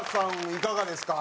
いかがですか？